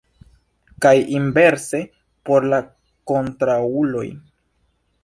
Kaj inverse por la kontraŭuloj.